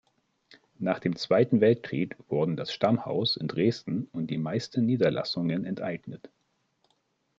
Nach dem Zweiten Weltkrieg wurden das Stammhaus in Dresden und die meisten Niederlassungen enteignet.